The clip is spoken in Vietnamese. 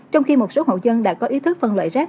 trong khi một số hộ dân đã có ý thức phân loại rác